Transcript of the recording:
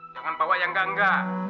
jangan bawa yang enggak enggak